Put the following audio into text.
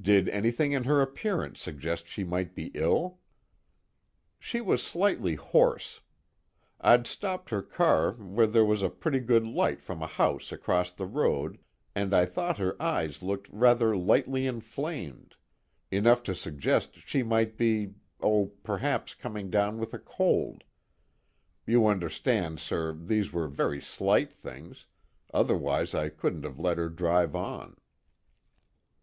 "Did anything in her appearance suggest she might be ill?" "She was slightly hoarse. I'd stopped her car where there was a pretty good light from a house across the road, and I thought her eyes looked very slightly inflamed. Enough to suggest she might be oh, perhaps coming down with a cold. You understand, sir, these were very slight things, otherwise I couldn't have let her drive on."